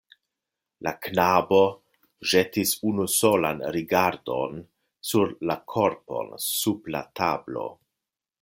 La knabo ĵetis unu solan rigardon sur la korpon sub la tablo.